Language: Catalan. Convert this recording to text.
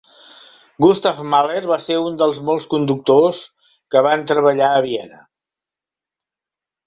Gustav Mahler va ser un dels molts conductors que van treballar a Vienna.